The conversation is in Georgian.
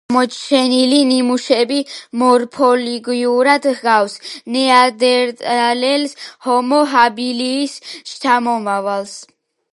აქ აღმოჩენილი ნიმუშები მორფოლოგიურად ჰგავს ნეანდერტალელს, ჰომო ჰაბილისის შთამომავალს.